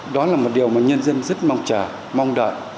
đó là một điều mà nhân dân rất mong chờ mong đợi